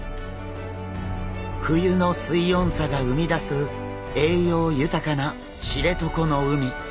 冬の水温差が生み出す栄養豊かな知床の海。